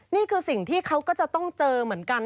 นี่คือสิ่งที่เขาก็จะต้องเจอเหมือนกัน